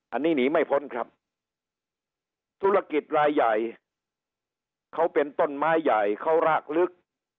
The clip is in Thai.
อันนี้หนีไม่พ้นครับธุรกิจรายใหญ่เขาเป็นต้นไม้ใหญ่เขารากลึก